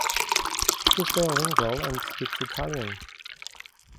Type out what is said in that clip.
He is bilingual and speaks Italian.